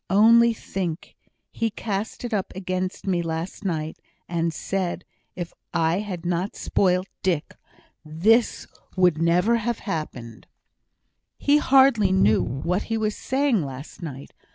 Only think! he cast it up against me last night, and said, if I had not spoilt Dick this never would have happened." "He hardly knew what he was saying last night.